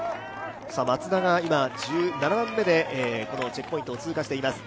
マツダが今１７番目でチェックポイントを通過しています。